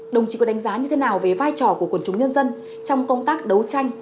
đồng chí có đánh giá như thế nào về vai trò của quần chúng nhân dân trong công tác đấu tranh